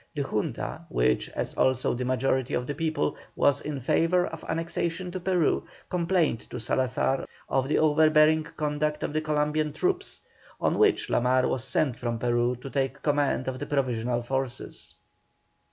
The Junta, which, as also the majority of the people, was in favour of annexation to Peru, complained to Salazar of the overbearing conduct of the Columbian troops, on which La Mar was sent from Peru to take command of the provincial forces.